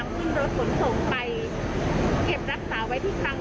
ก่อนจะนำรถขนส่งไปเก็บรักษาไว้ที่กลาง